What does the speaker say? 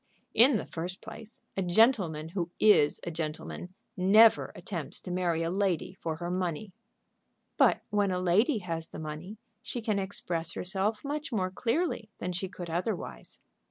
"In the first place, a gentleman who is a gentleman never attempts to marry a lady for her money." "But when a lady has the money she can express herself much more clearly than she could otherwise."